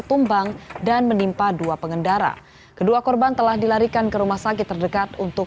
tumbang dan menimpa dua pengendara kedua korban telah dilarikan ke rumah sakit terdekat untuk